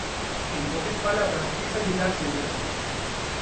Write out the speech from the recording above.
En pocas palabras es ayudarse entre sí.